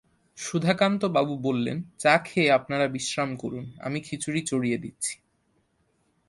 সুধাকান্তবাবু বললেন, চা খেয়ে আপনারা বিশ্রাম করুন, আমি খিচুড়ি চড়িয়ে দিচ্ছি।